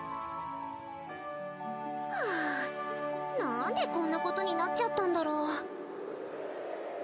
ハアなんでこんなことになっちゃったんだろう。